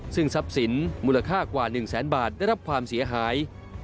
ซึ่งทรัพย์สินมูลค่ากว่า๑แสนบาทได้รับความเสียหาย